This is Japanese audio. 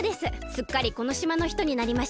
すっかりこのしまのひとになりました。